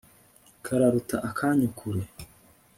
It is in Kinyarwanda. kararuta akanyu kure